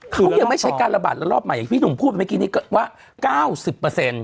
เขายังไม่ใช่การระบาดระลอกใหม่อย่างพี่หนุ่มพูดเมื่อกี้นี้ว่า๙๐